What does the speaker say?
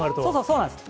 そうなんです。